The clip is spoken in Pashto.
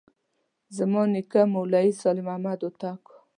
زما نیکه مولوي صالح محمد هوتک و.